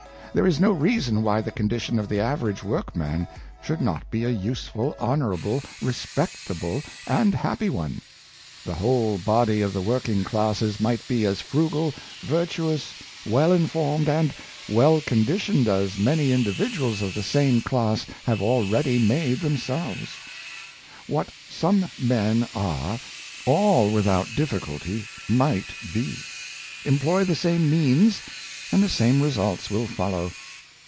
There is no reason wh}^ the con dition of the average workman should not be a useful, honorable, respectable, and happy one. The whole body of the working classes might be as frugal, virtu ous, well informed, and well conditioned as many indi viduals of the same class have already made themselves. What some men are, all without difficulty, might be. Employ the same means, and the same results will fol low.